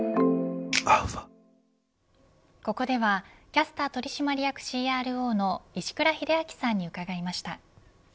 ここではキャスター取締役ＣＲＯの石倉秀明さんに伺いました。